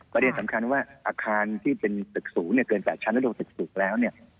ประเด็นสำคัญว่าอาคารที่เป็นถึกสูงเกิน๘ชั้นของถึกสูงแล้ว